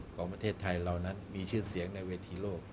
ของประเทศไทยเหล่านั้นมีชื่อเสียงในเวทีโลก